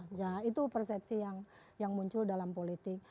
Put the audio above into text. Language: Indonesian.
nah itu persepsi yang muncul dalam politik